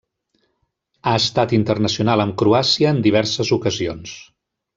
Ha estat internacional amb Croàcia en diverses ocasions.